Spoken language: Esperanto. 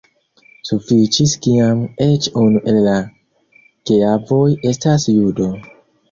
Sufiĉis kiam eĉ unu el la geavoj estas judo.